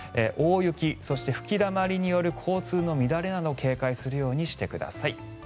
大雪、そして吹きだまりによる交通の乱れなど警戒するようにしてください。